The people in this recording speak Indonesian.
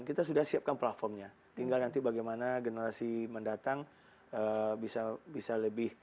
kita sudah siapkan platformnya tinggal nanti bagaimana generasi mendatang bisa bisa lebih